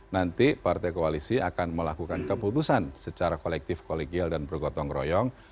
nanti partai koalisi akan melakukan keputusan secara kolektif kolegial dan bergotong royong